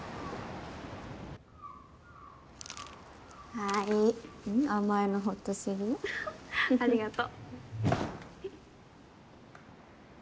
はい甘いのホッとするよありがと